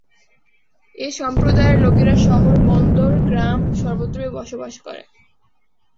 এ সম্প্রদায়ের লোকেরা শহর, বন্দর, গ্রাম সর্বত্রই বসবাস করে।